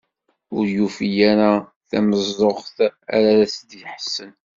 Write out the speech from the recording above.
Ur yufi ara tameẓẓuɣt ara as-d-iḥessen.